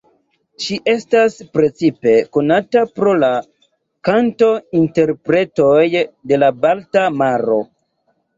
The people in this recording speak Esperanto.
Ŝi estas precipe konata pro la kanto-interpretoj de la Balta Maro.